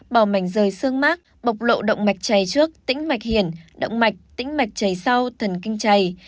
bỏ mảnh rời xương mát bộc lộ động mạch chày trước tĩnh mạch hiển động mạch tĩnh mạch chày sau thần kinh chày